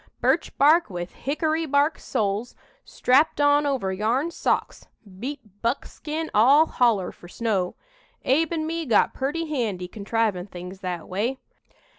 Birch bark with hickory bark soles, strapped on over yarn socks, beat buckskin all holler, fur snow. Abe'n me got purty handy contrivin' things that way.